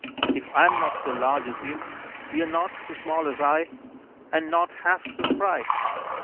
If I'm not so large as you, You are not so small as I, And not half so spry.